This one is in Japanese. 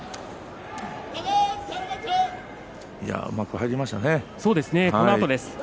いやあうまく入りましたね。